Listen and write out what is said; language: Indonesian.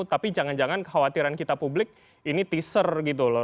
tapi jangan jangan khawatiran kita publik ini teaser gitu loh